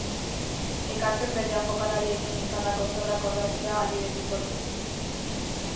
Ekarpen berriak jokalariekin izandako zorrak ordaintzea ahalbidetuko du.